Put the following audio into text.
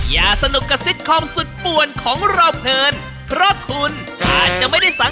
อย่าสนุกกับซิตคอมสุดปวนของเราเพลิน